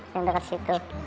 yang dekat situ